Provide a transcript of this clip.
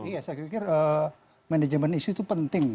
iya saya kira kira manajemen isu itu penting